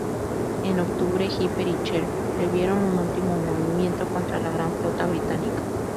En octubre, Hipper y Scheer previeron un último movimiento contra la Gran Flota británica.